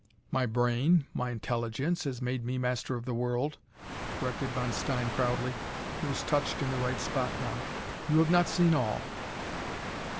"My brain, my intelligence, has made me master of the world!" corrected Von Stein, proudly. He was touched in the right spot now. "You have not seen all!"